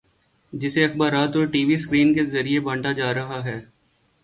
جسے اخبارات اور ٹی وی سکرین کے ذریعے بانٹا جا رہا ہے۔